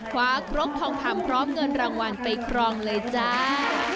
ครกทองคำพร้อมเงินรางวัลไปครองเลยจ้า